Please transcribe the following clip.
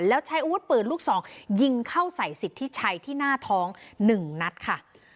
แล้วใช้อาวุธปืนลูกสองยิงเข้าใส่สิทธิชัยที่หน้าท้อง๑นัดค่ะ